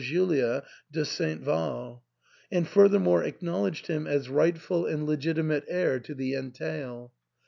Julia de St. Val, and furthermore acknowledged him as rightful and legiti THE ENTAIL. 309 mate heir to the entail.